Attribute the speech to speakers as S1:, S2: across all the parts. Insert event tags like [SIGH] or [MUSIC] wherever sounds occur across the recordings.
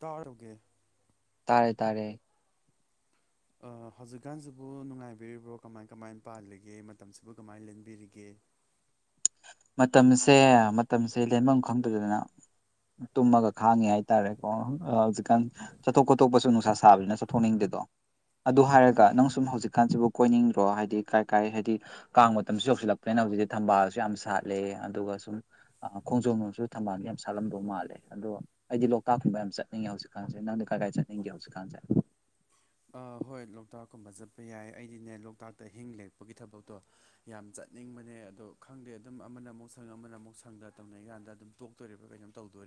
S1: ꯇꯥꯔꯨꯒꯦ
S2: ꯇꯥꯔꯦ ꯇꯥꯔꯦ
S1: ꯍꯧꯖꯤꯛꯀꯥꯟꯁꯤꯕꯨ ꯅꯨꯡꯉꯥꯏꯕꯤꯔꯤꯕ꯭ꯔꯣ ꯀꯃꯥꯏ ꯀꯃꯥꯏꯅ ꯄꯥꯜꯂꯤꯒꯦ ꯃꯇꯝꯁꯤꯕꯨ ꯀꯃꯥꯏꯅ ꯂꯦꯟꯕꯤꯔꯤꯒꯦ [INAUDIBLE]
S2: ꯃꯇꯝꯁꯦ ꯃꯇꯝꯁꯦ ꯂꯦꯟꯐꯝ ꯈꯪꯗꯗꯅ ꯇꯨꯝꯃꯒ ꯈꯥꯡꯉꯦ ꯍꯥꯏꯇꯥꯔꯦꯀꯣ ꯍꯧꯖꯤꯛꯀꯥꯟ ꯆꯠꯊꯣꯛ ꯈꯣꯊꯣꯛꯄꯁꯨ ꯅꯨꯡꯁꯥ ꯁꯥꯕꯅꯤꯅ ꯆꯠꯊꯣꯛꯅꯤꯡꯗꯦ ꯗꯣ ꯑꯗꯨ ꯍꯥꯏꯔꯒ ꯅꯪ ꯁꯨꯝ ꯍꯧꯖꯤꯛꯀꯥꯟꯁꯤꯕꯨ ꯀꯣꯏꯅꯤꯡꯗ꯭ꯔꯣ ꯍꯥꯏꯗꯤ ꯀꯥꯏ ꯀꯥꯏ ꯍꯥꯏꯗꯤ ꯀꯥꯡ ꯃꯇꯝꯁꯨ ꯌꯧꯁꯤꯜꯂꯛꯇꯣꯏꯅꯣ ꯍꯧꯖꯛꯇꯤ ꯊꯝꯕꯜꯁꯨ ꯌꯥꯝ ꯁꯥꯠ ꯂꯦ ꯑꯗꯨꯒ ꯁꯨꯝ ꯈꯣꯡꯖꯣꯝ ꯅꯨꯡꯁꯨ ꯊꯪꯕꯥꯜ ꯌꯥꯝ ꯁꯥꯠꯂꯝꯗꯧ ꯃꯥꯜꯂꯦ ꯑꯗꯣ ꯑꯩꯗꯤ ꯂꯣꯛꯇꯥꯛꯀꯨꯝꯕ ꯌꯥꯝ ꯆꯠꯅꯤꯡꯉꯦ ꯍꯧꯖꯤꯛꯀꯥꯟꯁꯦ ꯅꯪꯗꯤ ꯀꯔꯥꯏ ꯀꯥꯏ ꯆꯠꯅꯤꯡꯒꯦ ꯍꯧꯖꯤꯛꯀꯥꯟꯁꯦ
S1: [INAUDIBLE] ꯑꯥ ꯍꯣꯏ ꯂꯣꯛꯇꯥꯛꯀꯨꯝꯕ ꯆꯠꯄ ꯌꯥꯏ ꯑꯩꯗꯤꯅꯦ ꯂꯣꯛꯇꯥꯛꯇ ꯍꯤꯡ ꯂꯦꯛꯄꯒꯤ ꯊꯕꯛꯇꯣ ꯌꯥꯝ ꯆꯠ ꯆꯠꯅꯤꯡꯕꯅꯦ ꯑꯗꯣ ꯈꯪꯗꯦ ꯑꯗꯨꯝ ꯑꯃꯅ ꯑꯃꯨꯛ ꯁꯪ ꯑꯃꯅ ꯑꯃꯨꯛ ꯁꯪꯗ ꯇꯧꯅꯔꯤꯀꯥꯟꯗ ꯑꯗꯨꯝ ꯇꯣꯛꯇꯣꯔꯤꯕ꯭ꯔꯥ ꯀꯩꯅꯣꯝ ꯇꯧꯗꯣꯔꯥ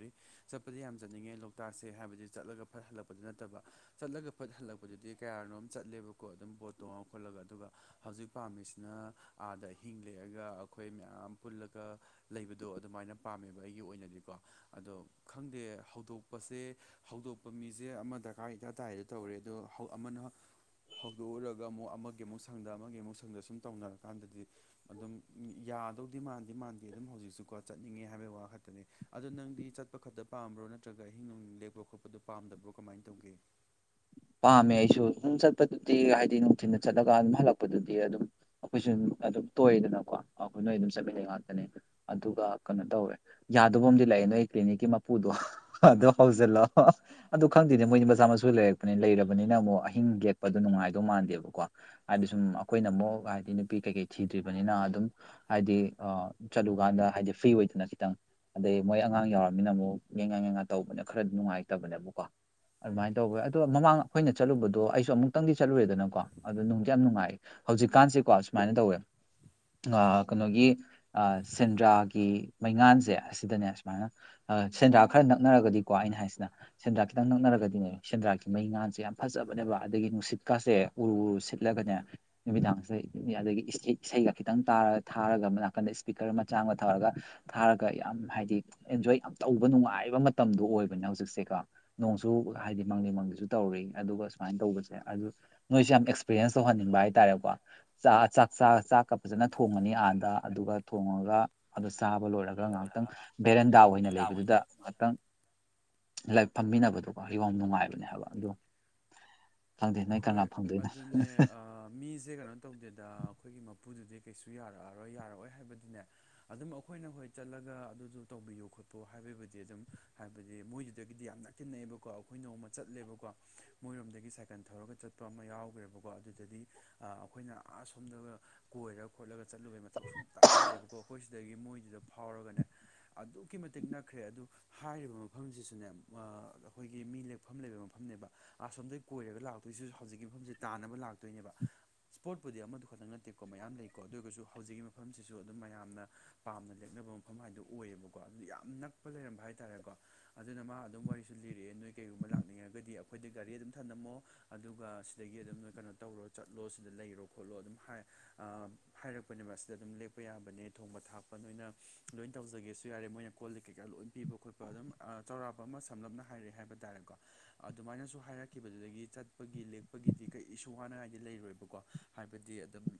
S1: ꯆꯠꯄꯗꯤ ꯌꯥꯝ ꯆꯠꯅꯤꯡꯉꯦ ꯂꯣꯛꯇꯥꯛꯁꯦ ꯍꯥꯏꯕꯗꯤ ꯆꯠꯂꯒ ꯐꯠ ꯍꯜꯂꯛꯄꯗꯨ ꯅꯠꯇꯕ ꯆꯠꯂꯒ ꯐꯠ ꯍꯜꯂꯛꯄ ꯑꯗꯨꯗꯤ ꯀꯌꯥꯅꯣꯝ ꯆꯠꯂꯦꯕꯀꯣ ꯑꯗꯨꯝ ꯕꯣꯠ ꯇꯣꯡꯉ ꯈꯣꯠꯂꯒ ꯑꯗꯨꯒ ꯍꯧꯖꯤꯛ ꯄꯥꯝꯃꯤꯁꯤꯅ ꯑꯥꯗ ꯑꯥ ꯍꯤꯡꯂꯦꯛꯑꯒ ꯑꯩꯈꯣꯏ ꯃꯌꯥꯝ ꯄꯨꯜꯂꯒ ꯂꯩꯕꯗꯣ ꯑꯗꯨꯃꯥꯏꯅ ꯄꯥꯝꯃꯦꯕ ꯑꯩꯒꯤ ꯑꯣꯏꯅꯗꯤꯀꯣ ꯑꯗꯣ ꯈꯪꯗꯦ ꯍꯧꯗꯣꯛꯄꯁꯦ ꯍꯧꯗꯣꯛꯄ ꯃꯤꯁꯦ ꯑꯃ ꯗꯔꯀꯥꯔ ꯂꯩꯇꯥ ꯇꯥꯏꯗ ꯇꯧꯔꯦ ꯑꯗꯣ ꯐ ꯑꯃꯅ ꯍꯧꯗꯣꯛꯎꯔꯒ ꯑꯃꯨꯛ ꯑꯃꯒꯤ ꯑꯃꯨꯛ ꯁꯪꯗ ꯑꯃꯒꯤ ꯑꯃꯨꯛ ꯁꯪꯗ ꯁꯨꯝ ꯇꯧꯅꯔꯀꯥꯟꯗꯗꯤ ꯑꯗꯨꯝ ꯇꯥꯗꯧꯗꯤ ꯃꯥꯟꯗꯦ ꯃꯥꯟꯗꯦ ꯑꯗꯨꯝ ꯍꯧꯖꯤꯛꯁꯨꯀꯣ ꯆꯠꯅꯤꯡꯉꯦ ꯍꯥꯏꯕꯒꯤ ꯋꯥ ꯈꯛꯇꯅꯦ ꯑꯗꯣ ꯅꯪꯗꯤ ꯆꯠꯄ ꯈꯛꯇ ꯄꯥꯝꯕ꯭ꯔꯣ ꯅꯠꯇ ꯅꯠꯇ꯭ꯔꯒ ꯑꯍꯤꯡ ꯅꯨꯡ ꯂꯦꯛꯞꯄ ꯈꯣꯠꯄꯗꫭ ꯄꯥꯝꯗꯕ꯭ꯔꯣ ꯀꯃꯥꯏꯅ ꯇꯧꯒꯦ
S2: ꯄꯥꯝꯃꯦ ꯑꯩꯁꯨ ꯑꯗꯨꯝ ꯆꯠꯄꯗꯨꯗꯤ ꯍꯥꯏꯗꯤ ꯅꯨꯡꯊꯤꯗ ꯆꯠꯂꯒ ꯑꯗꯨꯝ ꯍꯜꯂꯛꯄꯗꯨꯗꯤ ꯑꯗꯨꯝ ꯑꯩꯈꯣꯏꯁꯨ ꯑꯗꯨꯝ ꯇꯣꯏꯗꯅꯀꯣ ꯑꯩꯈꯣꯏ ꯅꯣꯏ ꯑꯗꯨꯝ ꯆꯠꯃꯤꯟꯅꯩ ꯉꯥꯛꯇꯅꯤ ꯑꯗꯨꯒ ꯀꯩꯅꯣ ꯇꯧꯋꯦ ꯌꯥꯗꯕ ꯑꯗꯤ ꯂꯩꯌꯦ ꯅꯣꯏ ꯇ‌ꯦꯅꯤꯛꯀꯤ ꯃꯄꯨꯗꯣ ꯑꯗꫭ ꯍꯧꯖꯤꯜꯂꯣ ꯑꯗꯨ ꯈꯪꯗꯦꯅꯦ ꯃꯣꯏꯗꯤ ꯃꯆꯥ ꯃꯁꯨ ꯂꯩꯔ ꯂꯩꯔꯕꯅꯤꯅ ꯑꯃꯨꯛ ꯑꯍꯤꯡ ꯌꯦꯛꯄꯗꯣ ꯅꯨꯡꯉꯥꯏꯗꯧ ꯃꯥꯟꯗꯦꯕꯀꯣ ꯍꯥꯏꯗꯤ ꯁꯨꯝ ꯑꯩꯈꯣꯏꯅ ꯑꯃꯨꯛ ꯍꯥꯏꯗꯤ ꯅꯨꯄꯤ ꯀꯩꯀꯩ ꯊꯤꯗ꯭ꯔꯤꯕꯅꯤꯅ ꯑꯗꯨꯝ ꯍꯥꯏꯗꯤ ꯑ ꯆꯠꯂꯨꯀꯥꯟꯗ ꯍꯥꯏꯗꯤ ꯐ꯭ꯔꯤ ꯑꯣꯏꯗꯅ ꯈꯤꯇꯪ ꯑꯗꯩ ꯃꯣꯏ ꯑꯉꯥꯡ ꯌꯥꯎꯔꯝꯃꯤꯅ ꯑꯃꯨꯛ ꯌꯦꯡꯉꯥ ꯌꯦꯡꯉ ꯇꯧꯕꯅ ꯈꯔꯗꯤ ꯅꯨꯡꯉꯥꯏꯇꯕꯅꯦꯕꯀꯣ ꯑꯗꯨꯃꯥꯥꯏ ꯑꯇ ꯑꯗꯣ ꯃꯃꯥꯡ ꯑꯩꯈꯣꯏꯅ ꯆꯠꯂꯨꯕꯗꯣ ꯑꯩꯁꯨ ꯑꯃꯨꯛꯇꯪꯗꯤ ꯆꯠꯂꯨꯔꯦꯗꯅꯀꯣ ꯑꯗꯣ ꯅꯨꯡꯗꯤ ꯌꯥꯝ ꯅꯨꯡꯉꯥꯏꯌꯦ ꯍꯧꯖꯤꯛꯀꯥꯟꯁ‌ꯦꯀꯣ ꯁꯨꯃꯥꯏꯅ ꯇꯧꯋꯦ ꯀꯩꯅꯣꯒꯤ ꯁꯦꯟꯗ꯭ꯔꯥꯒꯤ ꯃꯩꯉꯥꯟꯁꯦ ꯑꯁꯤꯗꯅꯦ ꯁꯨꯃꯥꯏꯅ ꯁꯦꯟꯗ꯭ꯔꯥꯛ ꯈꯔ ꯅꯛꯅꯔꯒꯗꯤꯀꯣ ꯑꯩꯅ ꯍꯥꯏꯁꯤꯅ ꯁꯦꯟꯗ꯭ꯔꯥ ꯈꯤꯇꯪ ꯅꯛꯅꯔꯒꯗꯤꯅꯦ ꯁꯦꯟꯗ꯭ꯔꯥ ꯃꯩ ꯉꯜꯁꯦ ꯌꯥꯝ ꯐꯖꯕꯅꯦꯕ ꯑꯗꯒꯤ ꯅꯨꯡꯁꯤꯠꯀꯥꯁꯦ ꯎꯔꯨ ꯎꯔꯨ ꯁꯤꯠꯂꯒꯅꯦ ꯅꯨꯃꯤꯗꯥꯡꯁꯗ ꯑꯗꯒꯤ ꯏꯁꯩ ꯏꯁꯩꯒ ꯈꯤꯇꯪ ꯇꯥꯔꯒ ꯊꯥꯔꯒ ꯅꯥꯀꯟꯗ ꯏꯁꯄꯤꯀꯔ ꯃꯆꯥ ꯑꯃ ꯊꯥꯔꯒ ꯊꯥꯔꯒ ꯌꯥꯝ ꯍꯥꯏꯗꯤ ꯍꯥꯏꯗꯤ ꯑꯦꯟꯖꯣꯏ ꯌꯥꯝ ꯇꯧꯕ ꯅꯨꯡꯉꯥꯏꯕ ꯃꯇꯝꯗꯣ ꯑꯣꯏꯕꯅꯦ ꯍꯧꯖꯤꯛꯁꯦꯀ ꯅꯣꯡꯁꯨ ꯍꯥꯏꯗꯤ ꯃꯪꯂꯤ ꯃꯪꯂꯤ ꯇꯧꯔꯤ ꯑꯗꯨꯒ ꯁꯨꯃꯥꯏꯅ ꯇꯧꯕꯁꯦ ꯑꯗꯨ ꯅꯣꯏꯁꯨ ꯌꯥꯝ ꯑꯦꯛꯁꯄꯤꯔꯤꯌꯦꯟꯁ ꯇꯧꯍꯟꯅꯤꯡꯕ ꯍꯥꯏꯇꯥꯔꯦꯀꯣ ꯆ ꯆꯥꯛ ꯆ ꯆꯥꯛꯀ ꯐꯖꯅ ꯊꯣꯡꯉꯅꯤ ꯑꯥꯗ ꯑꯗꯨꯒ ꯊꯣꯡꯉꯒ ꯑꯗꯨ ꯆꯥꯕ ꯂꯣꯏꯔꯒ ꯉꯥꯏꯍꯥꯛꯇꯪ ꯕꯦꯔꯦꯟꯗꯥ ꯑꯣꯏꯅ ꯂꯩꯕꯗꯨꯗ ꯉꯍꯥꯛꯇꯪ ꯂꯥꯏ ꯐꯝꯃꯤꯟꯅꯕꯗꯣꯀꯣ ꯍ ꯋꯥꯡ ꯅꯨꯡꯉꯥꯏꯕꯅꯦ ꯍꯥꯏꯕ ꯑꯗꯨ
S1: ꯍꯣꯏ ꯑꯗꯨꯅꯦ ꯃꯤꯁꯦ ꯀꯩꯅꯣ ꯇꯧꯗꯦꯗ ꯑꯩꯈꯣꯏꯒꯤ ꯃꯄꯨꯗꯨꯗꯤ ꯀꯩꯁꯨ ꯌꯥꯔꯛꯑꯔꯣꯏ ꯌꯥꯔꯛꯑꯣꯣꯏ ꯍꯥꯏꯕꯗꯨꯅꯦ ꯑꯗꯨꯝ ꯑꯩꯈꯣꯏꯅ ꯍꯣꯏ ꯆꯠꯂꯒ ꯑꯗꯨꯗꯨ ꯇꯧꯕꯤꯌꯣ ꯈꯣꯠꯠꯇꯣ ꯍꯥꯏꯕ ꯑꯗꯨꯣꯏꯕꯨꯗꯤ ꯑꯗꯨꯝ ꯍꯥꯏꯕꯗꯤ ꯃꯣꯏꯗꯨꯗꯒꯤꯗꯤ ꯌꯥꯝ ꯛꯊꯤꯟꯅꯩꯑꯦꯕꯀꯣ ꯑꯩꯈꯣꯏ ꯅꯣꯡꯃ ꯆꯠꯂꯦꯕꯀꯣ ꯃꯣꯏꯔꯣꯝꯗꯒꯤ ꯁꯥꯏꯀꯜ ꯊꯧꯔꯒ ꯆꯠꯄ ꯑꯃ ꯌꯥꯎꯈ꯭ꯔꯦꯕꯀꯣ ꯑꯗꯨꯗꯗꯤ ꯑꯩꯈꯣꯏꯅ ꯑꯁꯣꯝꯗꯒ ꯀꯣꯏꯔ ꯈꯣꯠꯂꯒ ꯆꯠꯂꯨꯕꯒꯤ ꯃꯊꯧ ꯁꯨꯡꯁꯇꯥ ꯇꯥꯗꯦꯕꯀꯣ ꯑꯩꯈꯣꯏ ꯁꯤꯗꯒꯤ ꯃꯣꯏꯗꯨꯗ ꯐꯥꯎꯔꯒꯅꯦ ꯑꯗꯨꯛꯀꯤ ꯃꯇꯤꯛ ꯅꯛꯈ꯭ꯔꯦ ꯑꯗꯨ ꯍꯥꯏꯔꯤꯕ ꯃꯐꯝꯁꯤꯁꯨꯅꯦ ꯑꯩꯈꯣꯏꯒꯤ ꯃꯤ ꯂꯦꯛꯐꯝ ꯂꯩꯕ ꯃꯐꯝꯅꯦꯕ ꯑꯁꯣꯝꯗꯒꯤꯩ ꯀꯣꯏꯔꯒ ꯂꯥꯛꯇꯣꯏꯁꯤꯁꯨ ꯍꯧꯖꯤꯛꯀꯤ ꯃꯐꯝꯁꯦ ꯇꯥꯟꯅꯕ ꯂꯥꯛꯇꯣꯏꯅꯦꯕ ꯏꯁꯄꯣꯔꯠꯄꯨꯗꯤ ꯑꯃꯗꯨ ꯈꯛꯇꯪ ꯅꯠꯇꯦꯀꯣ ꯃꯌꯥꯝ ꯂꯩꯀꯣ ꯑꯗꯨ ꯑꯣꯏꯔꯒꯁꯨ ꯍꯧꯖꯤꯛꯀꯤ ꯃꯐꯝꯁꯤꯁꯨ ꯑꯗꯨꯝ ꯃꯌꯥꯝꯅ ꯄꯥꯝꯅ ꯂꯦꯞꯅ ꯕ ꯃꯐꯝ ꯍꯥꯏꯗꯣ ꯑꯣꯏꯌꯦꯕꯀꯣ ꯑꯗꯨ ꯌꯥꯝ ꯅꯛꯄ ꯂꯩꯔꯝꯕ ꯍꯥꯏꯇꯥꯔꯦꯀꯣ ꯑꯗꯨꯅ ꯃꯥ ꯑꯗꯨꯝ ꯋꯥꯔꯤꯁꯨ ꯂꯤꯔꯛꯑꯦ ꯅꯣꯏ ꯀꯩꯒꯨꯝꯕ ꯂꯥꯛꯅꯤꯡꯉꯒꯗꯤ ꯑꯩꯈꯣꯏꯗ ꯒꯥꯔꯤ ꯑꯗꯨꯝ ꯊꯝꯂꯝꯝꯃꯣ ꯑꯗꯨꯒ ꯁꯤꯗꯒꯤ ꯑꯗꯨꯝ ꯀꯩꯅꯣ ꯇꯧꯔꯣ ꯆꯠꯂꯣ ꯁꯤꯗ ꯂꯩꯔꯣ ꯈꯣꯠꯂꯣ ꯑꯗꯨꯝ ꯍꯥꯏꯔꯛꯄꯅꯦꯕ ꯁꯤꯗ ꯑꯗꯨꯝ ꯂꯦꯛꯄ ꯌꯥꯕꯅꯦ ꯊꯣꯡꯕ ꯊꯥꯛꯄ ꯅꯣꯏꯅ ꯂꯣꯏꯅ ꯇꯧꯖꯒꯦꯁꯨ ꯌꯥꯔꯦ ꯃꯣꯏꯅ ꯀꯣꯜꯜꯂꯤ ꯀꯩꯀꯥ ꯂꯣꯏ ꯄꯤꯕ ꯈꯣꯠ ꯈꯣꯠꯄ ꯑꯗꯨꯝ ꯆꯥꯎꯔꯥꯛ ꯑꯃ ꯁꯝꯂꯞꯅ ꯍꯥꯏꯔꯛꯑꯦ ꯍꯥꯏꯕ ꯇꯥꯔꯦꯀꯣ ꯑꯗꯨꯃꯥꯏꯅꯁꯨ ꯍꯥꯏꯔꯛꯈꯤꯕꯗꯨꯗꯒꯤꯠ ꯒꯤ ꯂꯦꯛꯄꯒꯤꯗꯤ ꯀꯩꯁꯨ ꯋꯥꯅꯤꯡꯉꯥꯏꯗꯤ ꯂꯩꯔꯣꯏꯕꯀꯣ ꯍꯥꯏꯕꯗꯤ ꯑꯗꯨꯝ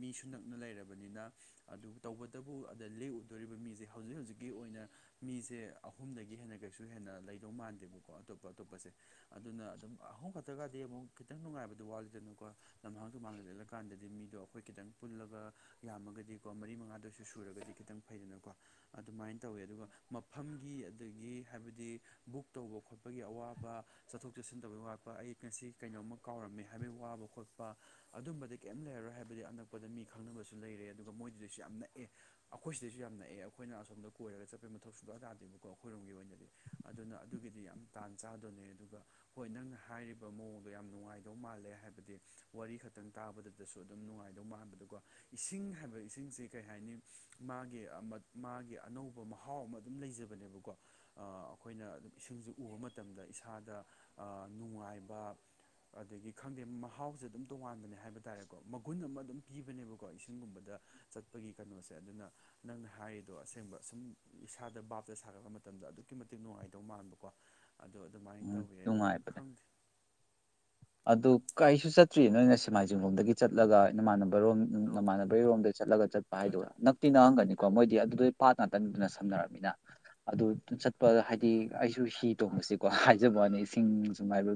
S1: ꯃꯤꯁꯨ ꯅꯛꯅ ꯂꯩꯔꯕ ꯕꯅꯤꯅ ꯑꯗꯨ ꯇꯧꯕꯇꯕꯨ ꯑꯗ ꯂꯦꯛꯎꯗꯣꯔꯤꯕ ꯃꯤꯁꯦ ꯍꯧꯖꯤꯛ ꯍꯧꯖꯤꯛꯀꯤ ꯑꯣꯏꯅ ꯃꯤꯁꯦ ꯑꯍꯨꯝꯗꯒꯤ ꯍꯦꯟꯅ ꯀꯩꯁꯨ ꯍꯦꯟꯅ ꯂꯩꯗꯧ ꯃꯥꯟꯗꯦꯕꯀꯣ ꯑꯇꯣꯞꯄ ꯑꯇꯣꯞꯄꯁꯦ ꯑꯗꯨꯅ ꯑꯗꯨꯝ ꯑꯍꯨꯝ ꯈꯛꯇ ꯍꯥꯏꯒꯗꯤ ꯑꯃꯨꯛ ꯈꯤꯇꯪ ꯅꯨꯡꯉꯥꯏꯕꯗꯨ ꯋꯥꯠꯂꯤꯗꯅꯨꯀꯣ ꯂꯝꯍꯥꯡꯗꯣ ꯃꯥꯡꯖꯜ ꯆꯠꯂꯀꯥꯟꯗꯗꯤ ꯃꯤꯗꯣ ꯑꯩꯈꯣꯏ ꯈꯤꯇꯪ ꯄꯨꯜꯂꯒ ꯌꯥꯝꯃꯒꯗꯤꯀꯣ ꯃꯔꯤ ꯃꯉꯥꯗꯁꯨ ꯁꯨꯔꯒꯗꯤ ꯈꯤꯇꯪ ꯐꯩꯗꯅꯀꯣ ꯑꯗꯨꯃꯥꯏꯅ ꯇꯧꯋꯦ ꯑꯗꯨꯒ ꯃꯐꯝ ꯒꯤ ꯑꯗꯒꯤ ꯍꯥꯏꯕꯗꯤ ꯕꯨꯛ ꯇꯧꯕ ꯈꯣꯠꯄꯒꯤ ꯑꯋꯥꯕ ꯆꯠꯊꯣꯛ ꯆꯠꯁꯤꯟ ꯇꯧꯕꯒꯤ ꯋꯥꯠꯄ ꯑꯩ ꯉꯁꯤ ꯀꯩꯅꯣꯝꯃ ꯀꯥꯎꯔꯝꯃꯦ ꯍꯥꯏꯕꯒꯤ ꯋꯥꯕ ꯈꯣꯠꯄ ꯑꯗꯨꯝꯕꯗꯤ ꯀꯩꯝ ꯂꯩꯔꯔꯣꯏ ꯍꯥꯏꯕꯗꯤ ꯑꯅꯛꯄꯗ ꯃꯤ ꯈꯪꯅꯕ ꯇꯨ ꯂꯩꯔꯦ ꯑꯗꯨꯒ ꯃꯣꯏꯗꯨꯗꯩꯁꯨ ꯌꯥꯝ ꯅꯛꯑꯦ ꯑꯩꯈꯣꯏ ꯁꯤꯗꯩꯁꯨ ꯌꯥꯝ ꯅꯛꯑꯦ ꯑꯩꯈꯣꯏꯅ ꯑꯁꯣꯝꯗ ꯀꯣꯏꯔꯒ ꯆꯠꯄꯩ ꯃꯊꯧꯁꯨꯗꯣ ꯑꯗꯥꯗ ꯀꯣ ꯑꯩꯈꯣꯏꯔꯣꯝꯒꯤ ꯑꯣꯏꯅꯗꯤ ꯑꯗꯨꯅ ꯑꯗꯨꯒꯤꯗꯤ ꯌꯥꯝ ꯇꯥꯟ ꯆꯥꯗꯣꯅꯦ ꯑꯗꯨꯒ ꯍꯣꯏ ꯅꯪꯅ ꯍꯥꯏꯔꯤꯕ ꯃꯑꯣꯡꯗꯣ ꯌꯥꯝ ꯅꯨꯡꯉꯥꯏꯗꯧ ꯃꯥꯜꯂꯦ ꯍꯥꯏꯕꯗꯤ ꯋꯥꯔꯤ ꯈꯛꯇꯪ ꯇꯥꯕꯗꯨꯗꯁꯨ ꯑꯗꯨꯝ ꯅꯨꯡꯉꯥꯏꯗꯧ ꯃꯥꯟꯕꯗꯀꯣ ꯏꯁꯤꯡ ꯍꯥꯏꯕ ꯏꯁꯤꯡꯁ ꯀꯩ ꯍꯥꯏꯅꯤ ꯃꯥꯒꯤ ꯃꯥꯒꯤ ꯑꯅꯧꯕ ꯃꯍꯥꯎ ꯑꯃ ꯑꯗꯨꯝ ꯂꯩꯖꯩ ꯖꯕꯅꯦꯕꯀꯣ ꯑꯩꯈꯣꯏꯅ ꯑꯗꯨꯝ ꯏꯁꯤꯡꯁꯦ ꯎꯕ ꯃꯇꯝꯗ ꯏꯁꯥꯗ ꯅꯨꯡꯉꯥꯏ ꯋꯥꯞ [INAUDIBLE] ꯑꯗꯒꯤ ꯈꯪꯗꯦ ꯃꯍꯥꯎꯁꯦ ꯑꯗꯨꯝ ꯇꯣꯉꯥꯟꯕꯅꯦ ꯍꯥꯏꯕ ꯇꯥꯔꯦꯀꯣ ꯃꯒꯨꯟ ꯑꯃ ꯑꯗꯨꯝ ꯄꯤꯕꯅꯦꯕꯀꯣ ꯏꯁꯤꯡꯒꯨꯝꯕꯗ ꯆꯠꯄꯒꯤ ꯀꯩꯅꯣꯁꯦ ꯑꯗꯨꯅ ꯅꯪꯅ ꯍꯥꯏꯔꯤꯗꯣ ꯑꯁꯦꯡꯕ ꯁꯨꯝ ꯏꯁꯥꯗ ꯕꯥꯞꯇ ꯁꯥꯒꯠꯄ ꯃꯇꯝꯗ ꯑꯗꯨꯛꯀꯤ ꯃꯇꯤꯛ ꯅꯨꯡꯉꯥꯏꯇꯧ ꯃꯥꯟꯕꯀꯣ ꯑꯗꯣ ꯑꯗꯨꯃꯥꯏꯅ
S2: ꯎꯝ
S1: ꯇꯧꯋꯦ ꯑꯗꯣ
S2: ꯅꯨꯡꯉꯥꯏꯕꯅꯦ
S1: ꯈꯪꯗꯦ
S2: ꯑꯗꯨ ꯀꯥꯏꯁꯨ ꯆꯠꯇ꯭ꯔꯤꯌꯦ ꯅꯣꯏꯅ ꯁꯦꯃꯥꯏꯖꯤꯡ ꯂꯣꯝꯗꯒꯤ ꯆꯠꯂꯒ ꯏꯅꯃꯥꯟꯅ ꯕꯔꯣꯝ ꯅꯃꯥꯟꯅꯕꯩꯔꯣꯝꯗ ꯆꯠꯂꯒ ꯆꯠꯄ ꯍꯥꯏꯗꯨꯒ
S1: ꯆꯠ
S2: ꯅꯪꯛꯇꯤ ꯅꯥꯡꯉꯪꯒꯅꯤ ꯀꯣ ꯃꯣꯏꯗꯤ ꯑꯗꯨꯗꯣ ꯄꯥꯠ ꯉꯅꯥꯇꯟꯗꯨꯅ ꯁꯝꯅꯔꯃꯤꯅ ꯑꯗꯨ ꯆꯠꯄ ꯍꯥꯏꯗꯤ ꯑꯩꯁꯨ ꯍꯤ ꯇꯣꯡꯕꯁꯤ ꯀꯣ ꯍꯥꯏꯖꯕꯅꯤ ꯏꯁꯤꯡ ꯁꯥꯏꯕ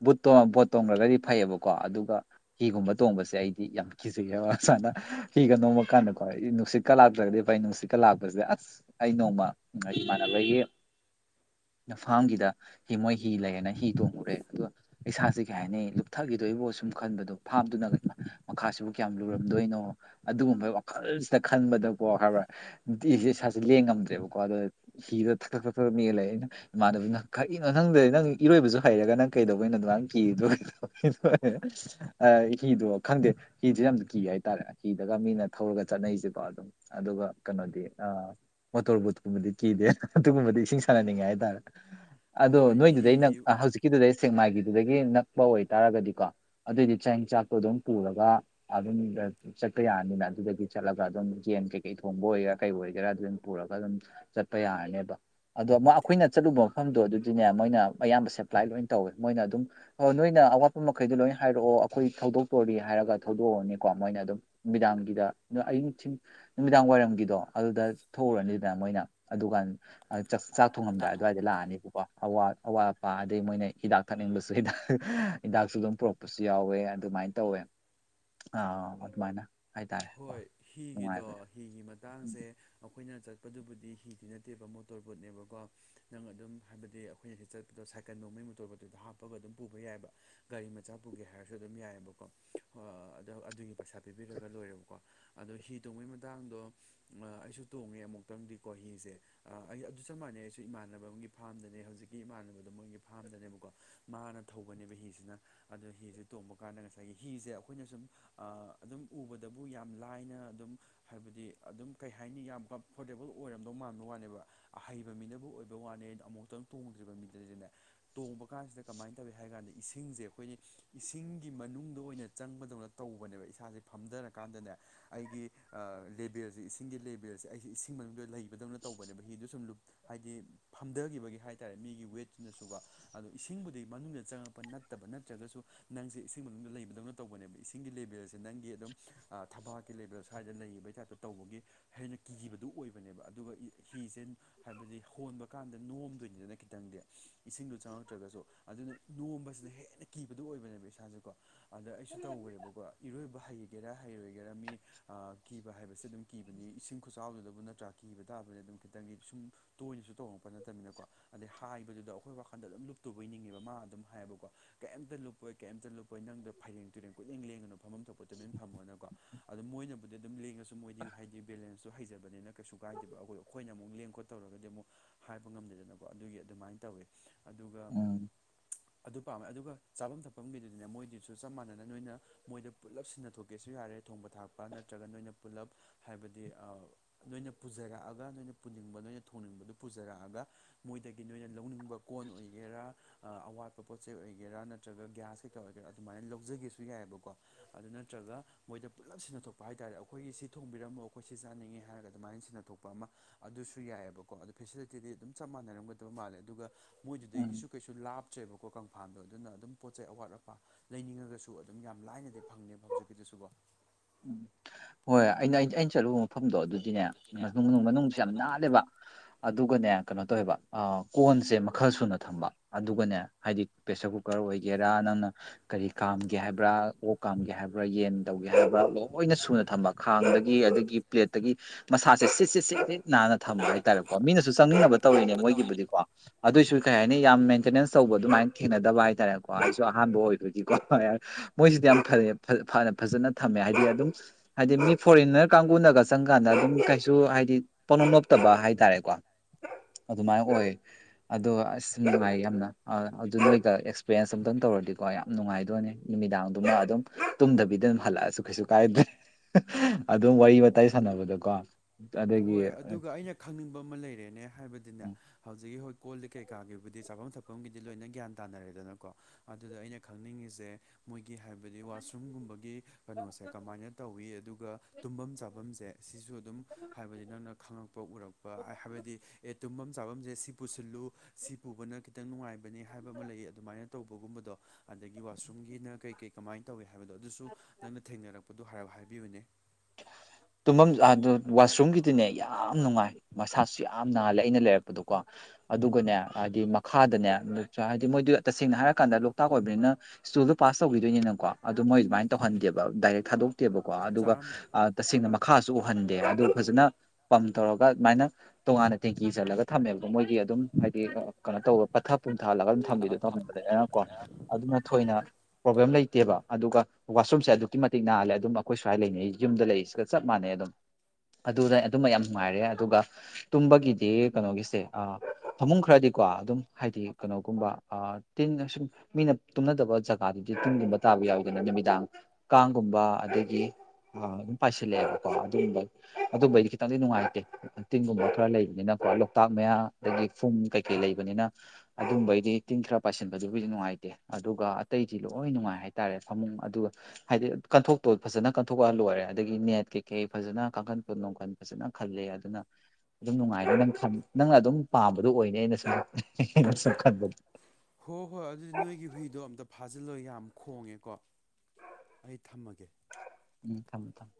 S2: ꯕꯣꯠ ꯇꯣꯡꯈ꯭ꯔꯒꯗꯤ ꯐꯩꯑꯕꯀꯣ ꯑꯗꯨꯒ ꯍꯤꯒ ꯒꯨꯝꯕ ꯇꯣꯡꯕꯁꯦ ꯑꯩꯗꯤ ꯌꯥꯝ ꯀꯤꯖꯩꯌꯦꯕꯖꯥꯅ ꯍꯤꯒ ꯅꯣꯃ ꯀꯥꯟꯗꯀꯣ ꯅꯨꯡꯁꯤꯠꯀ ꯂꯥꯛꯇ꯭ꯔꯒꯗꯤ ꯐꯩ ꯅꯨꯡꯁꯤꯠ ꯁꯤꯛꯀ ꯂꯥꯛꯄꯁꯦ ꯑꯁ ꯑꯩ ꯅꯣꯡꯃ ꯏꯃꯥꯟꯅꯕꯒꯤ
S1: [UNINTELLIGIBLE] [INAUDIBLE]
S2: ꯅꯐꯥꯡꯒꯤꯗ ꯍꯤ ꯃꯣꯏ ꯍꯤ ꯂꯩꯔꯅ ꯍꯤ ꯇꯣꯡꯈ꯭ꯔꯦ ꯑꯗꯣ ꯏꯁꯥꯥꯁꯦ ꯀꯩ ꯍꯥꯏꯅꯤ ꯂꯨꯞꯊꯈꯤꯗꯣꯏꯕꯨꯣ ꯁꯨꯝ ꯈꯟꯕꯗꯣ ꯍꯥꯇꯅ ꯃꯈꯥꯁꯤꯕꯨ ꯀꯌꯥꯝ ꯂꯨꯔꯝꯗꯣꯏꯅꯣ ꯑꯗꯨꯒꯨꯝꯕ ꯋꯥꯈꯜꯁꯤꯗ ꯈꯟꯕꯗꯀꯣ ꯍꯥꯏꯕ ꯅꯨꯡꯇꯤꯁꯦ ꯏꯁꯥꯁꯦ ꯂꯦꯡꯉꯝꯗ꯭ꯔꯦꯕꯀꯣ ꯑꯗꯨ ꯍꯤꯗ ꯊꯛꯊꯛ ꯊꯛꯊ ꯃꯤꯒ ꯂꯩ ꯑꯩꯅ ꯏꯃꯥꯟꯅꯕꯅ ꯀꯛꯏꯅꯣ ꯅꯪꯗꯗꯤ ꯅꯪ ꯏꯔꯣꯏꯕꯁꯨ ꯍꯩꯔꯒ ꯅꯪ ꯀꯩꯗꯧꯕꯩꯅꯣ ꯑꯗꯨꯃꯥꯏ ꯀꯤꯗ ꯇꯧꯕꯣ ꯍꯤꯗꯨꯣ ꯈꯪꯗꯦ ꯍꯤꯁꯨ ꯌꯥꯝ ꯀꯤꯕ ꯍꯥꯏꯇꯥꯔꯦ ꯍꯤꯗꯒ ꯃꯤꯅ ꯊꯧꯔꯒ ꯆꯠꯅꯩꯁꯦꯀꯣ ꯑꯗꯨꯝ ꯑꯗꯨꯒ ꯀꯩꯅꯣꯗꯤ ꯑ ꯃꯣꯇꯣꯔ ꯕꯣꯠ ꯀꯨꯝꯕꯗꯤ ꯀꯤꯗꯦ ꯑꯗꯨꯒꯨꯝꯕꯗꯤ ꯏꯁꯤꯡ ꯁꯥꯟꯅꯅꯤꯡꯉꯦ ꯍꯥꯏꯇꯥꯔꯦ ꯑꯗꯣ
S1: ꯍꯣꯏ
S2: ꯅꯣꯏꯗꯨꯗ ꯅꯪ
S1: ꯍꯤꯒꯤ
S2: ꯍꯧꯖꯤꯛꯀꯤꯗꯨꯗꯩ ꯁꯦꯛꯃꯥꯏꯒꯤꯗꯨꯗꯒꯤ ꯅꯛꯄ ꯑꯣꯏꯇꯥꯔꯒꯗꯤꯀꯣ ꯑꯗꯨꯑꯣꯏꯗꯤ ꯆꯥꯛ ꯆꯥꯛꯇꯣ ꯑꯗꯨꯝ ꯄꯨꯔꯒ ꯑꯗꯨ ꯆꯠꯄ ꯌꯥꯅꯤꯅ ꯑꯗꯨꯗꯒꯤ ꯆꯠꯂꯒ ꯑꯗꯨꯝ ꯌꯦꯟ ꯀꯩꯀꯩ ꯊꯣꯡꯕ ꯑꯣꯏꯒꯦꯔꯥ ꯀꯩ ꯑꯣꯏꯒꯦꯔꯥ ꯑꯗꯨꯝ ꯄꯨꯔꯒ ꯑꯗꯨꯝ ꯆꯠꯄ ꯌꯥꯔꯅꯦꯕ ꯑꯗꯣ ꯑꯩꯈꯣꯏꯅ ꯆꯠꯂꯨꯕ ꯃꯐꯝꯗꯣ ꯑꯗꯨꯒꯤ ꯑꯗꯨꯅꯦ ꯃꯣꯏꯅ ꯑꯌꯥꯝꯕ ꯁꯦꯄ꯭ꯂꯥꯏ ꯂꯣꯏꯅ ꯇꯧꯋꯦ ꯃꯣꯏꯅ ꯑꯗꯨꯝ ꯅꯣꯏꯅ ꯑꯋꯥꯠꯄ ꯃꯈꯩꯗꯣ ꯂꯣꯏꯅ ꯍꯥꯏꯔꯛꯑꯣ ꯑꯩꯈꯣꯏ ꯊꯧꯗꯣꯛꯇꯣꯔꯤ ꯍꯥꯏꯔꯒ ꯊꯧꯗꯣꯛꯑꯔꯅꯤꯀꯣ ꯃꯣꯏꯅ ꯑꯗꯨꯝ ꯅꯨꯃꯤꯗꯥꯡꯒꯤꯗ ꯑꯌꯊ ꯅꯨꯃꯤꯗꯥꯡ ꯋꯥꯏꯔꯝꯒꯤ ꯗꯣ ꯑꯗꯨꯗ ꯊꯣꯛꯎꯔꯅꯤꯗꯅ ꯃꯣꯏꯅ ꯑꯗꯨꯀꯥꯟ ꯆꯥꯛ ꯊꯣꯡꯉꯝꯗꯥꯏ
S1: ꯆꯥꯛ ꯊꯣꯡꯉꯝ
S2: ꯑꯗꯨꯋꯥꯏꯗ ꯂꯥꯛꯑꯅꯦꯕꯀꯣ ꯋꯥ ꯑꯋꯥꯠ ꯑꯄꯥ ꯑꯗꯩ ꯃꯣꯏꯅ ꯍꯤꯗꯥꯛ ꯊꯛꯅꯤꯡꯕꯁꯨ ꯍꯤꯗꯥꯛ ꯍꯤꯗꯥꯛꯁꯨ ꯑꯗꯨꯝ ꯄꯨꯔꯛꯄꯁꯨ ꯌꯥꯎꯋꯦ ꯑꯗꯨ ꯑꯗꯨꯃꯥꯏꯅ ꯇꯧꯋꯦ ꯑꯥ ꯑꯗꯨꯃꯥꯏꯅ ꯍꯥꯏꯇꯥꯔꯦꯀꯣ
S1: ꯍꯣꯏ ꯍꯤꯒꯤꯗꯣ
S2: ꯅꯨꯡꯉꯥꯏꯕꯅꯦ
S1: ꯍꯤꯒꯤ ꯃꯇꯥꯡꯁꯦ ꯑꯩꯈꯣꯏꯅ ꯆꯠꯄꯗꯨꯕꯨꯗꯤ ꯍꯤꯗꯤ ꯅꯠꯇꯦꯕ ꯃꯣꯇꯣꯔ ꯕꯣꯠꯅꯦꯕꯀꯣ ꯅꯪ ꯑꯗꯨꯝ ꯍꯥꯏꯕꯗꯤ ꯑꯩꯈꯣꯏꯅ ꯆꯠꯄꯗꯣ ꯁꯥꯏꯀꯜ ꯅꯣꯡꯃꯩ ꯃꯣꯇꯣꯔ ꯕꯣꯇꯨꯗ ꯍꯥꯞꯄꯒ ꯑꯗꯨꯝ ꯄꯨꯕ ꯌꯥꯏꯕ ꯒꯥꯔꯤ ꯃꯆꯥ ꯄꯨꯒꯦ ꯍꯥꯏꯔꯁꯨ ꯑꯗꯨꯝ ꯌꯥꯏꯑꯕꯀꯣ ꯑꯗꯣ ꯑꯗꯨꯒꯤ ꯄꯩꯁꯥ ꯄꯤꯕꯤꯔꯒ ꯂꯣꯏꯔꯕꯀꯣ ꯑꯗꯣ ꯍꯤ ꯇꯣꯡꯕꯒꯤ ꯃꯇꯥꯡꯗꯣ ꯑꯩꯁꯨ ꯇꯣꯡꯉꯦ ꯑꯃꯨꯛꯇꯪꯗꯤꯀꯣ ꯍꯤꯁꯦ ꯑꯩ ꯑꯗꯨ ꯆꯞ ꯃꯥꯟꯅꯩ ꯑꯩꯁꯨ ꯏꯃꯥꯟꯅꯕ ꯑꯃꯒꯤ ꯐꯥꯔꯝꯗꯅꯦ ꯍꯧꯖꯤꯛꯀꯤ ꯏꯃꯥꯟꯅꯕꯗꯣ ꯃꯣꯏꯒꯤ ꯐꯥꯔꯝꯗꯅꯦꯕꯀꯣ ꯃꯥꯅ ꯊꯧꯕꯅꯦꯕ ꯍꯤꯁꯤꯅ ꯑꯗ ꯍꯤꯁꯦ ꯇꯣꯡꯕ ꯀꯥꯟꯗ ꯉꯁꯥꯏꯒꯤ ꯍꯤꯁꯦ ꯑꯩꯈꯣꯏꯅ ꯁꯨꯝ ꯑꯗꯨꯝ ꯎꯕꯗ ꯌꯥꯝ ꯂꯥꯏꯅ ꯑꯗꯨꯝ ꯍꯥꯏꯕꯗꯤ ꯑꯗꯨꯝ ꯀꯩ ꯍꯥꯏꯅꯤ ꯌꯥꯝ ꯀꯝꯐꯣꯔꯇꯦꯕꯜ ꯑꯣꯏꯔꯝꯗꯧ ꯃꯥꯟꯗ ꯋꯥꯅꯦꯕ ꯑꯍꯩꯕ ꯃꯤꯅꯕꯨ ꯑꯣꯏꯕ ꯋꯥꯅꯦ ꯑꯃꯨꯛꯛꯇꯪ ꯇꯣꯡꯗ꯭ꯔꯤꯕ ꯃꯤꯗꯨꯁꯤꯅꯦ ꯇꯣꯡꯕ ꯀꯥꯟꯁꯤꯗ ꯀꯃꯥꯏꯅ ꯇꯧꯋꯤ ꯍꯥꯏꯒꯥꯟꯗ ꯀꯗ ꯏꯁꯤꯡꯁꯦ ꯑꯩꯈꯣꯏꯅ ꯏꯁꯤꯡꯒꯤ ꯃꯅꯨꯡꯗ ꯑꯣꯏꯅ ꯆꯪꯕꯗꯧꯅ ꯇꯧꯕꯅꯦꯕ ꯏꯁꯥꯁꯦ ꯐꯝꯊꯔꯛꯦ ꯀꯥꯟꯗꯅꯦ ꯑꯩꯒꯤ ꯂꯦꯕꯦꯜꯁꯦ ꯏꯁꯤꯡꯒꯤ ꯂꯦꯕꯦꯜꯁꯦ ꯑꯩꯁꯦ ꯏꯁꯤꯡ ꯃꯅꯨꯡꯗ ꯂꯩ ꯀꯗꯧꯅ ꯇꯧꯕꯅꯦꯕ ꯍꯤꯗꯨ ꯁꯨꯝ ꯍꯥꯏꯗꯤ ꯐꯝꯊꯈꯤꯕꯒꯤ ꯍꯥꯏꯇꯥꯔꯦ ꯃꯤꯒꯤ ꯋꯦꯠꯁꯤꯅꯁꯨꯀꯣ ꯑꯗꯨ ꯏꯁꯤꯡꯕꯨꯗꯤ ꯃꯅꯨꯡꯗ ꯆꯪꯉꯛꯄ ꯅꯠꯇꯕ ꯅꯠꯇ꯭ꯔꯒꯁꯨ ꯅꯪꯁꯦ ꯏꯁꯤꯡ ꯃꯅꯨꯡꯗ ꯂꯩꯕꯗꯧꯅ ꯇꯧꯕꯅꯦꯕ ꯏꯁꯤꯡꯒꯤ ꯂꯦꯕꯦꯜꯁꯦ ꯅꯪꯒꯤ ꯑꯗꯨꯝ ꯊꯕꯥꯛꯀꯤ ꯂꯦꯚꯦꯜ ꯁ꯭ꯋꯥꯏꯗ ꯂꯩꯕꯩ ꯇꯥꯏꯞꯇ ꯇꯧꯕꯒꯤ ꯍꯦꯟꯅ ꯀꯤꯈꯤꯕꯗꯨ ꯑꯣꯏꯕꯅꯦꯕ ꯑꯗꯨꯒ ꯍꯤꯁꯦ ꯁꯤꯅ ꯈꯤꯇꯪꯗꯤ ꯏꯁꯤꯡꯗꯣ ꯆꯪꯉꯛꯇ꯭ꯔꯒꯁꯨ ꯑꯗꯨꯅ ꯅꯣꯝꯕꯁꯤꯅ ꯍꯦꯟꯅ ꯀꯤꯕꯗꯣ ꯑꯣꯏꯕꯅꯦꯕ ꯏꯁꯥꯁꯦꯀꯣ ꯑꯗ ꯑꯩꯁꯨ ꯇꯧ ꯑꯣꯏꯔꯕꯀꯣ ꯏꯔꯣꯏꯕ ꯍꯥꯏꯌꯦ ꯍꯥꯏ ꯑꯣꯏꯒꯦꯥ ꯃꯤ ꯀꯤꯕ ꯍꯥꯏꯕꯁꯦ ꯑꯗꯨꯝ ꯀꯤꯕꯅꯤ ꯏꯁꯤꯡ ꯈꯨꯆꯥꯎꯗꯨꯗꯕꯨ ꯅꯠꯇ꯭ꯔꯥ ꯀꯤꯕ ꯇꯥꯕꯅꯤ ꯑꯗꯨꯝ ꯈꯤꯇꯪꯗꯤ ꯁꯨꯝ ꯇꯣꯏꯅꯁꯨ ꯇꯣꯡꯉꯛꯄ ꯅꯠꯇꯕꯅꯤꯅꯀꯣ ꯑꯗꯩ ꯍꯥꯏꯕꯗꯨꯗ ꯑꯩꯈꯣꯏ ꯋꯥꯈꯜꯗ ꯑꯗꯨꯝꯨꯞ ꯇꯨꯍꯏꯅꯤꯡꯉꯦꯕ ꯃꯥ ꯑꯗꯨꯝ ꯍꯥꯏꯌꯦꯕꯀꯣ ꯀꯩꯝꯇ ꯂꯨꯞꯄꯣꯏ ꯀꯩꯝꯇꯨꯞ ꯑꯩꯈꯣꯏ ꯅꯪꯗ ꯐꯩꯔꯦꯡ ꯇꯨꯔꯦꯡ ꯀꯣꯏꯠꯂꯦꯡ ꯂꯦꯡꯉꯅꯨ ꯐꯝꯐꯝ ꯊꯣꯛꯄ ꯇꯨꯃꯤꯦꯟ ꯐꯝꯉꯒꯅꯀꯣ ꯑꯗ ꯃꯣꯏꯅꯕꯨꯗꯤ ꯑꯗꯨꯝ ꯂꯦꯡꯉ ꯇ ꯃꯣꯏꯗꯤꯌ ꯍꯥꯏꯗꯤꯕꯂꯦꯟꯁ ꯍꯩꯖꯕꯅꯤꯅ ꯀꯩꯁꯨ ꯀꯥꯏꯗꯦꯕ ꯑꯗꯨꯒ ꯑꯩꯈꯣꯏꯅ ꯑꯃꯨꯛ ꯂꯦꯡ ꯈꯣꯠ ꯇꯧꯔꯒꯗꯤ ꯑꯃꯨꯛ ꯍꯥꯏꯕ ꯉꯝꯗꯦꯗꯅꯀꯣ ꯑꯗꯨꯒꯤ ꯑꯗꯨꯃꯥꯏꯅ ꯇꯧ ꯇꯧꯋꯤ ꯑꯗꯨꯒ ꯎꯝ ꯑꯗꯨ ꯄꯥꯝꯃꯦ ꯑꯗꯨꯒ ꯆꯥꯐꯝ ꯊꯛꯐꯝꯒꯤꯗꯨꯗꯤꯅꯦ ꯃꯣꯏꯗꯨꯁꯨ ꯆꯞ ꯃꯥꯟꯅꯅ ꯅꯣꯏꯅ ꯃꯣꯏꯗ ꯄꯨꯂꯞ ꯁꯤꯅ ꯊꯣꯛꯀꯦꯁꯨ ꯌꯥꯔꯦ ꯊꯣꯡꯕ ꯊꯥꯛꯄ ꯅꯠꯇ꯭ꯔꯒ ꯅꯣꯏꯅ ꯄꯨꯜꯂꯞ ꯍꯥꯏꯕꯗꯤ ꯅꯣꯏꯅ ꯄꯨꯖꯔꯛꯑꯒ ꯅꯣꯏꯅ ꯄꯨꯅꯤꯡꯕ ꯅꯣꯏꯅ ꯊꯣꯡꯅꯤꯡꯕꯗꯨ ꯄꯨꯖꯔꯛꯑꯒ ꯃꯣꯏꯗꯒꯤ ꯅꯣꯏꯅ ꯂꯧꯅꯤꯡꯕ ꯀꯣꯟ ꯑꯣꯏꯒꯦꯔꯥ ꯑꯋꯥꯠꯄ ꯄꯣꯠ ꯆꯩ ꯑꯣꯏꯒꯦꯔꯥ ꯅꯠꯇ꯭ꯔꯒ ꯒ꯭ꯌꯥꯁ ꯀꯩꯀ ꯑꯣꯏꯒꯦꯔꯥ ꯑꯗꯨꯃꯥꯏꯅ ꯂꯧꯖꯒꯦꯁꯨ ꯌꯥꯏꯑꯕꯀꯣ ꯑꯗꯨ ꯅꯠꯇ꯭ꯔꯒ ꯃꯣꯏꯗ ꯄꯨꯂꯞ ꯁꯤꯟꯅꯊꯣꯛꯄ ꯍꯥꯏꯇꯥꯔꯦ ꯑꯩꯈꯣꯏꯒꯤ ꯁꯤ ꯊꯣꯡꯕꯤꯔꯝꯃꯣ ꯑꯩꯈꯣꯏ ꯁꯤ ꯆꯥꯅꯤꯡꯉꯦ ꯍꯥꯏꯔꯒ ꯑꯗꯨꯃꯥꯏꯅ ꯁꯤꯟꯅꯊꯣꯛ ꯊꯣꯛꯄ ꯑꯃ ꯑꯗꯨꯁꯨ ꯌꯥꯏꯑꯕꯀꯣ ꯑꯗꯨ ꯐꯦꯁꯤꯂꯤꯇꯤꯗꯤ ꯑꯗꯨꯝ ꯆꯞ ꯃꯥꯟꯅꯔꯝꯒꯗꯕ ꯃꯥꯜꯂꯦ ꯑꯗꯨꯒ ꯃꯣꯏꯗꯨꯗꯒꯤꯁꯨ
S2: ꯎꯝ
S1: ꯀꯩꯁꯨ ꯂꯥꯞꯆꯦꯕꯀꯣ ꯀꯣ ꯀꯪꯐꯥꯜꯗꯣ ꯑꯗꯨꯅ ꯑꯗꯨꯝ ꯄꯣꯠ ꯆꯩ ꯑꯋꯥꯠ ꯑꯄꯥ ꯂꯩꯅꯤꯡꯉꯒꯁꯨ ꯑꯗꯨꯝ ꯌꯥꯝ ꯂꯥꯏꯅꯗꯤ ꯐꯪꯅꯦꯕ ꯍꯧꯖꯛꯀꯤꯗꯨꯁꯨꯀꯣ
S2: ꯎꯝ ꯍꯣꯏ ꯑꯩꯅ ꯑꯩꯅ ꯆꯠꯂꯨꯕ ꯃꯐꯝꯗꯣ ꯑꯗꯨ ꯅꯦ
S1: ꯑꯗꯨꯒꯤꯅꯦ
S2: ꯃꯅꯨꯡ ꯃꯅꯨꯡꯁꯤ
S1: ꯅꯣꯡꯃ
S2: ꯌꯥꯝ
S1: ꯅꯨꯡ
S2: ꯅꯥꯜꯂꯦꯕ ꯑꯗꯨꯒꯅꯦ ꯀꯩꯅꯣ ꯇꯧꯋꯦꯕ ꯀꯣꯟꯁꯦ ꯃꯈꯜ ꯁꯨꯅ ꯊꯝꯕ ꯑꯗꯨꯒꯅꯦ ꯍꯥꯏꯗꯤ ꯄ꯭ꯔꯦꯁꯔ ꯀꯨꯀꯔ ꯑꯣꯏꯒꯦꯔ ꯅꯪꯅ ꯀꯔꯤ ꯀꯥꯝꯒꯦ ꯍꯥꯏꯕ꯭ꯔꯥ ꯑꯣꯛ ꯀꯥꯝꯒꯦ ꯍꯥꯏꯕ꯭ꯔꯥ ꯌꯦꯟ ꯇꯧꯒꯦ ꯍꯥꯏꯕ ꯂꯣꯏꯅ ꯁꯨꯅ ꯊꯝꯕ ꯈꯥꯡꯗꯒꯤ ꯑꯗꯒꯤ ꯄ꯭ꯂꯦꯠꯇꯒꯤ ꯃꯁꯥꯁꯦ ꯁꯤꯠꯁꯦ ꯁꯤꯠ ꯅꯥꯟꯅ ꯊꯝꯕ ꯍꯥꯏꯇꯥꯔꯦꯀꯣ ꯃꯤꯅꯁꯨ ꯆꯪꯅꯤꯡꯕ ꯇꯧꯔꯤꯅꯦ ꯃꯣꯏꯒꯤꯕꯨꯗꯤꯀꯣ ꯑꯗꯨꯑꯣꯏꯁꯨ ꯀꯩ ꯍꯥꯏꯅꯤ ꯌꯥꯝ ꯃꯦꯟꯇꯦꯅꯦꯟꯁ ꯇꯧꯕ ꯑꯗꯨꯃꯥꯏꯅ ꯊꯦꯡꯅꯗꯕ ꯍꯥꯏꯇꯥꯔꯦꯀꯣ ꯍꯥꯏꯁꯨ ꯑꯍꯥꯟꯕ ꯑꯣꯏꯕꯒꯤꯀꯣ ꯃꯣꯏꯁꯤꯗ ꯌꯥꯝ ꯐ ꯐꯅ ꯐꯖꯅ ꯊꯝꯃꯦ ꯍꯥꯏꯗꯤ ꯑꯗꯨꯝ ꯍꯥꯏꯗꯤ ꯃꯤ ꯐꯣꯔꯦꯟꯅꯔ ꯀꯥꯡꯒꯅꯒ ꯆꯪꯀꯥꯟꯗ ꯑꯗꯨꯝ ꯀꯩꯁꯨ ꯍꯥꯏꯗꯤ ꯄꯣꯠꯅꯣꯝ ꯅꯣꯞꯇꯕ ꯍꯥꯏꯇꯥꯔꯦꯀꯣ ꯑꯗꯨꯃꯥꯏꯅ ꯑꯣꯏ ꯑꯗꯣ ꯑꯁ ꯅꯨꯡꯉꯥꯏ ꯌꯥꯝꯅ ꯑꯗꯨ ꯅꯣꯏꯒ ꯑꯦꯛꯁꯄꯤꯔꯌꯦꯦꯟꯁ ꯑꯝꯇꯪ ꯇꯧꯔꯗꯤꯀꯣ ꯌꯥꯝ ꯅꯨꯡꯉꯥꯏꯗꯣꯏ ꯅꯨꯃꯤꯗꯥꯡꯃ ꯑꯗꯨꯝ ꯇꯨꯝꯗꯕꯤꯗ ꯑꯗꯨꯝ ꯍꯂꯑ ꯀꯩꯁꯨ ꯀꯩꯁꯨ ꯀꯥꯏꯗꯦ ꯑꯗꯨꯝ ꯋꯥꯔꯤ ꯋꯥꯇꯥꯏ ꯁꯥꯟꯅꯕꯗꯀꯣ ꯑꯗꯒꯤ
S1: ꯍꯣꯏ ꯑꯗꯨꯒ ꯑꯩꯅ ꯈꯪꯅꯤꯡꯕ ꯑꯃ ꯂꯩꯔꯦꯅꯦ ꯍꯥꯏꯕꯗꯤꯅꯦ ꯍꯧꯖꯤꯛꯀꯤ ꯀꯣꯜꯗꯤ ꯀꯩꯀꯥꯒꯤꯕꯨꯗꯤ ꯆꯥꯐꯝ ꯊꯛꯐꯝꯒꯤꯗꯤ ꯂꯣꯏꯅ ꯒ꯭ꯌꯥꯟ ꯇꯥꯅꯔꯦꯗꯅꯀꯣ ꯑꯗꯨꯗ ꯑꯩꯅ ꯈꯪꯅꯤꯡꯉꯤꯁꯦ ꯃꯣꯏꯒꯤ ꯍꯥꯏꯕꯗꯤ ꯋꯥꯁꯔꯨꯝꯒꯨꯝꯕꯒꯤ ꯀꯩꯅꯣꯁꯦ ꯀꯃꯥꯏꯅ ꯇꯧꯋꯤ ꯑꯗꯨꯒ ꯇꯨꯝꯐꯝ ꯆꯥꯐꯝꯁꯦ ꯁꯤꯁꯨ ꯑꯗꯨꯝ ꯍꯥꯏ ꯅꯅ ꯈꯉꯛ ꯎꯔꯛꯄ ꯍꯥꯏꯕꯗꯤ ꯇꯨꯝꯐꯝ ꯆꯥꯐꯝꯁꯦ ꯁꯤ ꯄꯨꯁꯤꯜꯂꯨ ꯁꯤ ꯄꯨꯕꯅ ꯈꯤꯇꯪ ꯅꯨꯡꯉꯥꯏꯕꯅꯤ ꯍꯥꯏꯕ ꯑꯃ ꯂꯩ ꯑꯗꯨꯃꯥꯏꯅ ꯇꯧꯕ ꯃ ꯇ ꯑꯗꯨꯦꯡꯔ ꯍꯥꯏ ꯍꯥꯏꯕꯤꯕꯨꯅꯦ
S2: ꯇꯨꯝꯐꯝ ꯑꯗꯨ ꯋꯥꯁꯔꯨꯝꯒꯤꯗꯤꯅꯦ ꯌꯥꯝ ꯅꯨꯡꯉꯥꯏ ꯃꯁꯥꯁꯨ ꯌꯥꯝ ꯍꯜꯂꯦ ꯑꯩꯅ ꯂꯩꯔꯛꯄꯗꯣꯀꯣ ꯑꯗꯨꯒꯅꯦ ꯍꯥꯏꯗꯤ ꯃꯈꯥꯗꯅꯦ ꯍꯥꯏꯗꯤ ꯃꯣꯏꯗꯤ ꯇꯁꯦꯡꯅ ꯍꯥꯏꯔꯀꯥꯟꯗ ꯂꯣꯛꯇꯥꯛ ꯑꯣꯏꯕꯅꯤꯅ ꯇꯨꯌꯦꯦꯜꯞꯇ ꯄꯥꯁ ꯇꯧꯈꯤꯗꯣꯏꯅꯤꯅꯀꯣ ꯑꯗꯣ ꯃꯣꯏ ꯑꯗꯨꯃꯥꯏꯅ ꯇꯧꯍꯟꯗꯦꯕ ꯗꯥꯏꯔꯦꯛ ꯊꯥꯗꯣꯛꯇꯦꯕꯀꯣ ꯑꯗꯨꯒ
S1: ꯆꯥꯔꯝꯃꯣ
S2: ꯤꯡꯅ ꯃꯈꯥꯁꯨ ꯎꯍꯟꯗꯦ ꯑꯗꯨ ꯐꯖꯅ ꯄꯝ ꯇꯧꯔꯒ ꯑꯗꯨꯃꯥꯏꯅ ꯇꯣꯉꯥꯟꯅ ꯇꯦꯡꯀꯤ ꯆꯠꯂꯒ ꯊꯝꯃꯦꯕ ꯃꯣꯏꯒꯤ ꯑꯗꯨꯝ ꯍꯥꯏꯗꯤ ꯀꯩꯅꯣ ꯇꯧꯕ ꯄꯊꯛ ꯄꯨꯝ ꯊꯥꯍꯜꯂꯒ ꯑꯗꯨꯝ ꯊꯝꯕꯤꯗꯣ ꯊꯝꯕꯗ ꯑꯩꯅꯀꯣ ꯑꯗꯨꯅ ꯊꯣꯏꯅ ꯄ꯭ꯔꯣꯕ꯭ꯂꯦꯝ ꯂꯩꯇꯦꯕ ꯑꯗꯨꯒ ꯋꯥꯁꯔꯨꯝꯁꯦ ꯑꯗꯨꯛꯀꯤ ꯃꯇꯤꯛ ꯅꯥꯜꯂꯦ ꯑꯗꯨꯝ ꯑꯩꯈꯣꯏ ꯁ꯭ꯋꯥꯏ ꯂꯩꯅꯩ ꯌꯨꯝꯗ ꯂꯩꯔꯤꯁꯦ ꯆꯞ ꯃꯅꯦ ꯑꯗꯨꯝ ꯑꯗꯨꯗ ꯑꯗꯨꯃ ꯌꯥꯝ ꯅꯨꯡꯉꯥꯏꯔꯦ ꯑꯗꯨꯒ ꯇꯨꯝꯕꯒꯤꯗꯤ ꯀꯩꯅꯣꯒꯤꯁꯦ ꯐꯃꯨꯡ ꯈꯔꯗꯤꯀꯣ ꯑꯗꯨꯝ ꯍꯥꯏꯗꯤ ꯀꯩꯅꯣꯒꯨꯝꯕ ꯇꯤꯟ ꯁꯨꯝ ꯃꯤꯅ ꯇꯨꯝꯅꯗꯕ ꯖꯒꯥꯗꯤ ꯇꯨꯡꯒꯨꯝꯕ ꯇꯥꯕ ꯌꯥꯎꯗꯅ ꯅꯨꯃꯤꯗꯥꯡ ꯀꯥꯡꯒꯨꯝꯕ ꯑꯗꯒꯤ ꯁꯤꯜꯂꯛꯑꯦꯕꯀꯣ ꯑꯗꯨꯒꯕ ꯑꯗꯨꯝꯕꯗꯤ ꯈꯤꯇꯪꯗꯤ ꯅꯨꯡꯉꯥꯏꯇꯦꯇꯤꯟꯒꯨꯝꯕ ꯈꯔ ꯂꯩ ꯅ ꯂꯣꯛꯇꯥꯛ ꯃꯌꯥ ꯑꯗꯒꯤ ꯐꯨꯝ ꯀꯩꯀꯩ ꯂꯩꯕꯅꯤꯅ ꯑꯗꯨꯝꯕꯩ ꯇꯤꯟ ꯈꯔ ꯄꯥꯏꯁꯤꯟꯕꯗꯨꯕꯨꯗꯤ ꯅꯨꯡꯉꯥꯏꯇꯦ ꯑꯗꯨꯒ ꯑꯇꯩꯗꯤ ꯂꯣꯏ ꯅꯨꯡꯉꯥꯏ ꯍꯥꯏꯇꯥꯔꯦ ꯐꯃꯨꯡ ꯑꯗꯨꯒ ꯍꯥꯏꯗꯤ ꯀꯟꯊꯣꯛꯇꯣ ꯐꯖꯅ ꯀꯟꯊꯣꯛꯑ ꯂꯣꯏꯔꯦꯗꯤ ꯑꯗꯒꯤ ꯅꯦꯠ ꯀꯩꯀꯩ ꯐꯖꯅ ꯀ ꯀꯥꯡꯈꯠꯄꯠ ꯅꯣꯡꯈꯟ ꯐꯖꯅ ꯈꯜꯂꯦ ꯑꯗꯨꯅ ꯑꯗꯨꯝ ꯅꯨꯡꯉꯥꯏꯅꯦ ꯅꯪ ꯅꯪꯅ ꯑꯗꯨꯝ ꯄꯥꯝꯕꯗꯨ ꯑꯣꯏꯅꯅꯦ ꯑꯩꯅ ꯁꯨꯝ ꯑꯩꯅ ꯁꯨꯝ ꯈꯟꯕ
S1: ꯍꯣꯏ ꯍꯣꯏ ꯑꯗꯨꯗꯤ ꯅꯣꯏꯒꯤ ꯍꯨꯏꯗꯣ ꯑꯝꯇ ꯐꯥꯖꯤꯜꯂꯣꯏ ꯌꯥꯝ ꯈꯣꯡꯉꯦꯀꯣ ꯑꯩ ꯊꯝꯃꯒꯦ
S2: ꯎꯝ ꯀꯃ ꯊꯝ